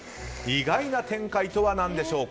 意外な展開とは何でしょう。